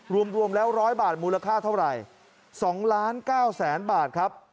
รวมแล้ว๑๐๐บาทมูลค่าเท่าไหร่๒ล้าน๙แสนบาทครับ